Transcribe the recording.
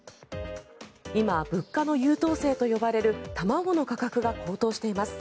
今、物価の優等生と呼ばれる卵の価格が高騰しています。